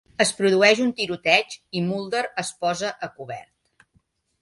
Es produeix un tiroteig i Mulder es posa a cobert.